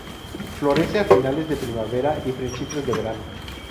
Florece a finales de primavera y principio de verano.